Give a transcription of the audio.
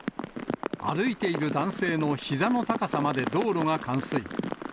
歩いている男性のひざの高さまで道路が冠水。